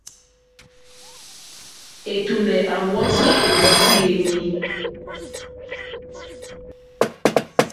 Ɛ̀tùlɛ̀ à wɔ́tì ɛ̀mbɔ́tí yèní.